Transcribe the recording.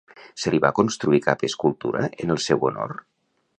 Se li va construir cap escultura en el seu honor?